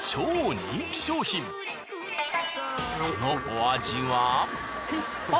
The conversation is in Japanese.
そのお味は。